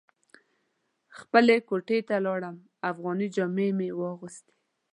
خپلې کوټې ته لاړم افغاني جامې مې واغوستې.